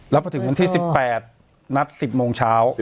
แล้วพอถึงวันที่๑๘นัด๑๐โมงเช้า